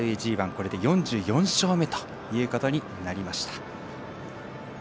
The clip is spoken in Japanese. これで４４勝目ということになりました。